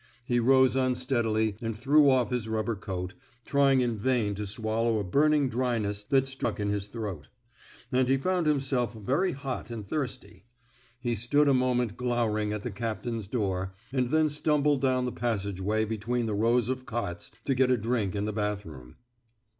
He rose unsteadily and threw off his rubber coat, trying in vain to swallow a burning dryness that stuck in his throat; and he found him self very hot and thirsty. He stood a moment glowering at the captain's door, and then stumbled down the passageway between the rows of cots, to get a drink in the bathroom.